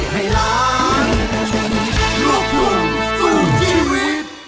โปรดติดตามตอนต่อไป